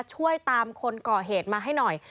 ช่วยตามคนก่อเหตุมาให้หน่อย